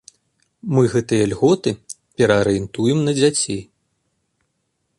Мы гэтыя льготы пераарыентуем на дзяцей.